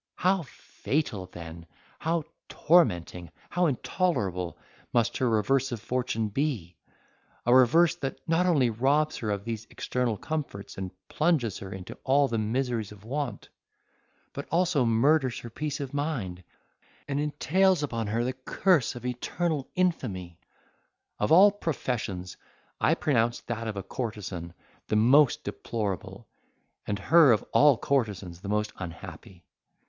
How fatal then, how tormenting, how intolerable, must her reverse of fortune be!—a reverse, that not only robs her of these external comforts, and plunges her into all the miseries of want, but also murders her peace of mind, and entails upon her the curse of eternal infamy! Of all professions I pronounced that of a courtesan the most deplorable, and her of all courtesans the most unhappy.